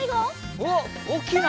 おっおおきいな。